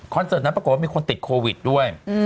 เสิร์ตนั้นปรากฏว่ามีคนติดโควิดด้วย